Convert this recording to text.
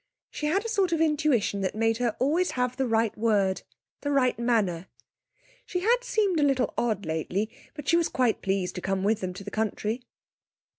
She had a sort of intuition that made her always have the right word, the right manner. She had seemed a little odd lately, but she was quite pleased to come with them to the country.